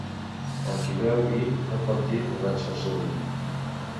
El qui beu vi no pot dir borratxo al seu veí.